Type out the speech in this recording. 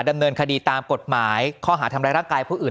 ดำเนินคดีตามกฎหมายข้อหาทำร้ายร่างกายผู้อื่น